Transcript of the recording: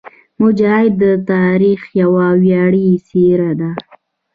مجاهد د تاریخ یوه ویاړلې څېره ده.